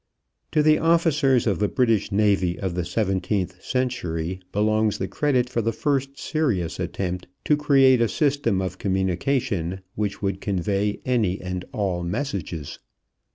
To the officers of the British navy of the seventeenth century belongs the credit for the first serious attempt to create a system of communication which would convey any and all messages.